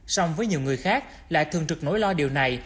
xong với nhiều người khác lại thường trực nối lo điều này